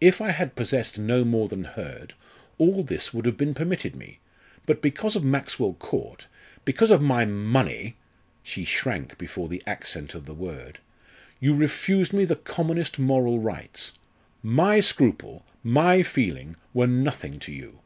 If I had possessed no more than Hurd, all this would have been permitted me; but because of Maxwell Court because of my money," she shrank before the accent of the word "you refused me the commonest moral rights. My scruple, my feeling, were nothing to you.